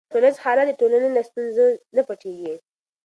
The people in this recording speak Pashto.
ټولنیز حالت د ټولنې له ستونزو نه پټيږي.